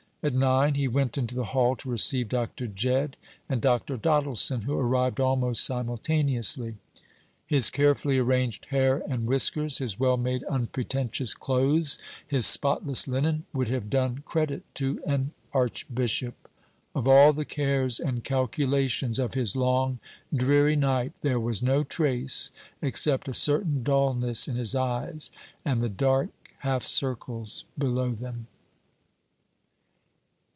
At nine he went into the hall to receive Dr. Jedd and Dr. Doddleson, who arrived almost simultaneously. His carefully arranged hair and whiskers, his well made unpretentious clothes, his spotless linen, would have done credit to an archbishop. Of all the cares and calculations of his long dreary night there was no trace, except a certain dulness in his eyes, and the dark half circles below them.